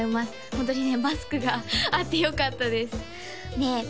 ホントにねマスクがあってよかったですで